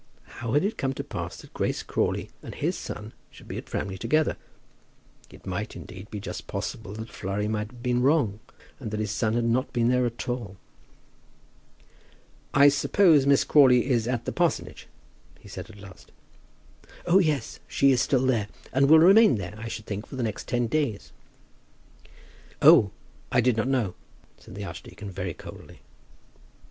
How had it come to pass that Grace Crawley and his son should be at Framley together? It might, indeed, be just possible that Flurry might have been wrong, and that his son had not been there at all. "I suppose Miss Crawley is at the parsonage?" he said at last. "Oh, yes; she is still there, and will remain there I should think for the next ten days." "Oh; I did not know," said the archdeacon very coldly.